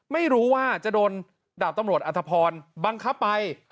ไม่รู้ว่าจะโดนดาบตำรวจอัธพรบังคับไป